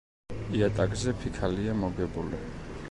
იატაკზე ფიქალია მოგებული.